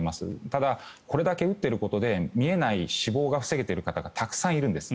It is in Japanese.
ただ、これだけ打っていることで見えない死亡が防げている方がたくさんいるんです。